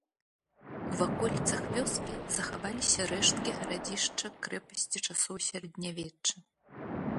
У ваколіцах вёскі захаваліся рэшткі гарадзішча-крэпасці часоў сярэднявечча.